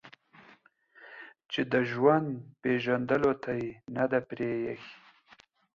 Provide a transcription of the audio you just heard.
چې د ژوند پېژندلو ته يې نه ده پرېښې